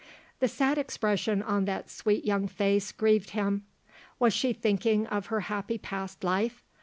The sad expression on that sweet young face grieved him. Was she thinking of her happy past life?